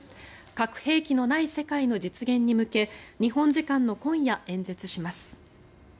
核兵器のない世界の実現に向け日本時間の今夜、演説します。